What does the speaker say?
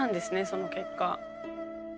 その結果。